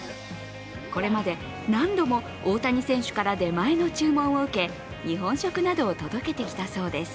これまで何度も大谷選手から出前の注文を受け、日本食などを届けてきたそうです。